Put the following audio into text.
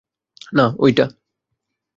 না, ঐটা।